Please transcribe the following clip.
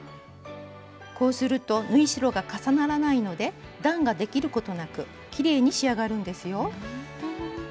こうすると縫い代が重ならないので段ができることなくきれいに仕上がるんですよ。